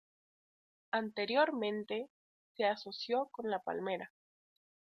Anteriormente, se asoció con la palmera.